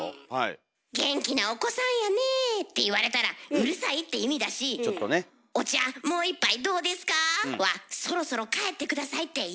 「元気なお子さんやね」って言われたら「うるさい」って意味だし「お茶もう一杯どうですか？」は「そろそろ帰って下さい」って意味なんだよね。